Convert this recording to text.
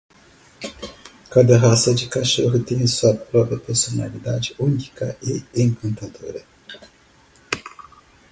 Cada raça de cachorro tem sua própria personalidade única e encantadora.